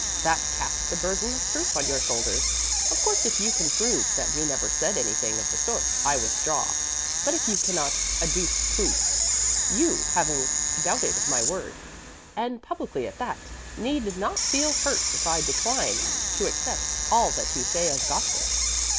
That casts the burden of proof on your shoulders. Of course if you can prove that you never said anything of the sort, I withdraw; but if you cannot adduce proofs, you, having doubted my word, and publicly at that, need not feel hurt if I decline to accept all that you say as gospel."